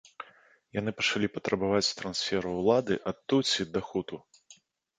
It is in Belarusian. Яны пачалі патрабаваць трансферу ўлады ад тутсі да хуту.